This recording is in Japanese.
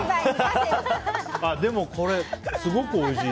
これ、すごくおいしい。